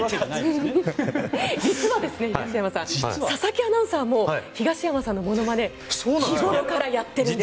実は、東山さん佐々木アナウンサーも東山さんのものまね日ごろからやってるんです。